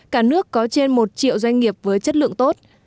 cả nước có trên một triệu doanh nghiệp với chất lượng tốt